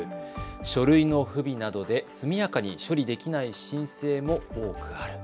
書類の不備などで速やかに処理できない申請も多くある。